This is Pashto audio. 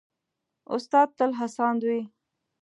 استاد تل هڅاند وي.